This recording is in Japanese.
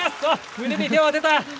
胸に手を当てた。